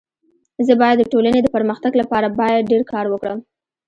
زه بايد د ټولني د پرمختګ لپاره باید ډير کار وکړم.